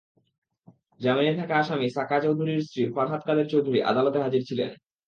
জামিনে থাকা আসামি সাকা চৌধুরীর স্ত্রী ফারহাত কাদের চৌধুরী আদালতে হাজির ছিলেন।